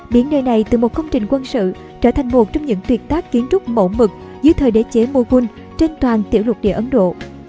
biến nơi này từ một công trình quân sự trở thành một trong những tuyệt tác kiến trúc mẫu mực dưới thời đế chế moghul trên toàn tiểu lục địa ấn độ